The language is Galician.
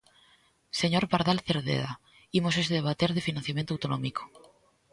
Señor Pardal Cerceda, imos hoxe debater de financiamento autonómico.